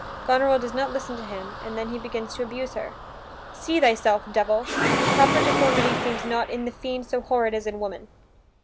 Goneril does not listen to him, and then he begins to abuse her: "See thyself, devil! Proper deformity seems not in the fiend So horrid as in woman."